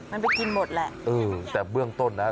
มันไปกินหมดแหละเออแต่เบื้องต้นนะ